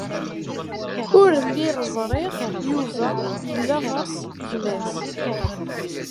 Ur lliɣ ẓriɣ Yuba yella ɣer-s gma-s.